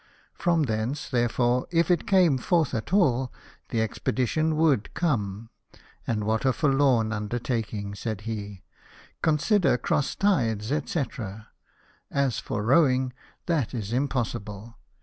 From thence, therefore, if it came forth at all, the expedition would come. " And what a forlorn undertaking !" said he. " Consider cross tides, &c. As for rowing, that is impossible.